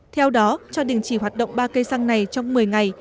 theo đó cho đình chỉ hoạt động ba cây xăng này trong một mươi ngày